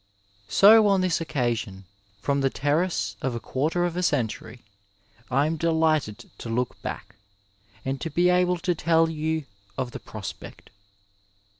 So on this occasion, from the terrace of a quarter of a century, I am delighted to look back, and to be able to tell you of the prospect.